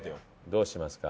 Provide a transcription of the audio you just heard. どうしますか？